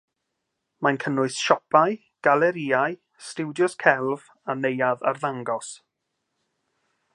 Mae'n cynnwys siopau, galerïau, stiwdios celf a neuadd arddangos.